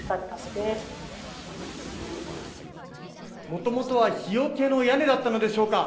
もともとは日よけの屋根だったのでしょうか